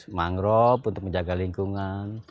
bagaimana caranya mengurus mangrove untuk menjaga lingkungan